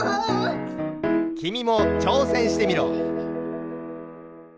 きみもちょうせんしてみろ。